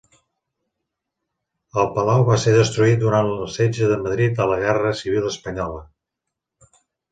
El palau va ser destruït durant el setge de Madrid a la Guerra Civil espanyola.